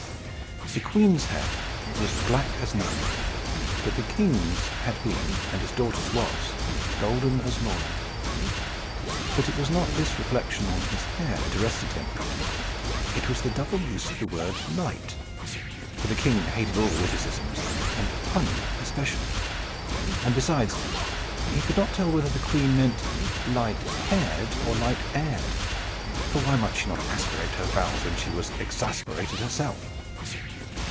The queen's hair was black as night; and the king's had been, and his daughter's was, golden as morning. But it was not this reflection on his hair that arrested him; it was the double use of the word light. For the king hated all witticisms, and punning especially. And besides, he could not tell whether the queen meant light haired or light heired; for why might she not aspirate her vowels when she was ex asperated herself?